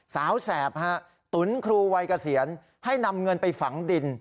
แสบฮะตุ๋นครูวัยเกษียณให้นำเงินไปฝังดิน